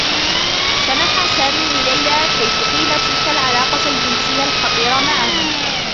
سمح سامي لليلى كي تقيم تلك العلاقة الجنسيّة الخطيرة معه.